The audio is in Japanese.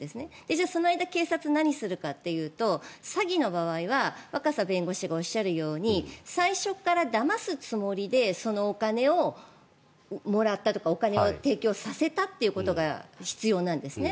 じゃあ、その間警察は何をするかというと詐欺の場合は若狭弁護士がおっしゃるように最初からだますつもりでそのお金をもらったとかお金を提供させたということが必要なんですね。